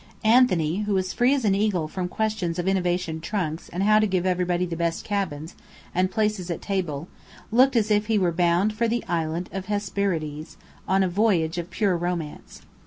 Anthony, who was free as an eagle from questions of innovation trunks and how to give everybody the best cabins, and places at table, looked as if he were bound for the Island of Hesperides, on a voyage of pure romance.